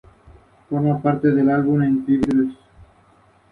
Daba lo mejor de sí ante el público, que lo idolatraba, especialmente en Francia.